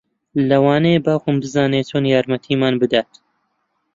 لەوانەیە باوکم بزانێت چۆن یارمەتیمان بدات